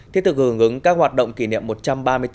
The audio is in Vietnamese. thiết thực hưởng ứng các hoạt động kỷ niệm